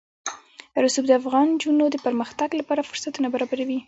رسوب د افغان نجونو د پرمختګ لپاره فرصتونه برابروي.